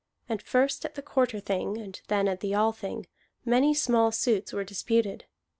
And first at the Quarter Thing, and then at the Althing, many small suits were disputed.